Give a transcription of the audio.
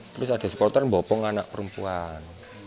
terus ada supporter bopong anak perempuan